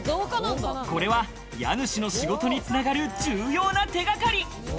これは家主の仕事に繋がる重要な手掛かり！